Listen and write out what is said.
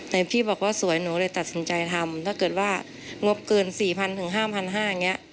แต่พี่บอกว่าสวยหนูเลยตัดสินใจทำถ้าเกิดว่างบเกิน๔๐๐ถึง๕๕๐๐อย่างนี้